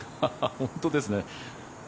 本当ですね。